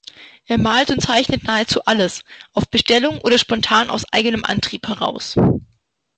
Er malte und zeichnete nahezu alles, auf Bestellung oder spontan aus eigenem Antrieb heraus.